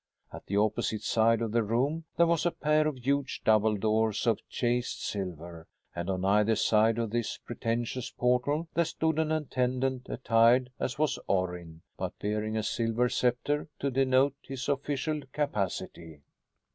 At the opposite side of the room there was a pair of huge double doors of chased silver and on either side of this pretentious portal there stood an attendant attired as was Orrin, but bearing a silver scepter to denote his official capacity.